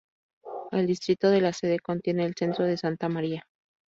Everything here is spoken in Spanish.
El distrito de la Sede contiene el centro de Santa Maria.